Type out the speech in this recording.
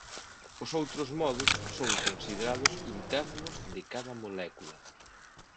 Os outros modos son considerados internos de cada molécula.